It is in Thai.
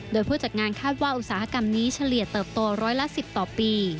โดยผู้จัดงานคาดว่าอุตสาหกรรมนี้เฉลี่ยเติบโตร้อยละ๑๐ต่อปี